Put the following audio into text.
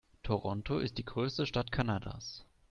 Toronto ist die größte Stadt Kanadas.